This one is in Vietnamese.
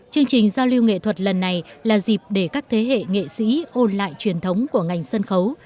chương trình giao lưu nghệ thuật lần này là dịp để các thế hệ nghệ sĩ ôn lại truyền thống của ngành sân khấu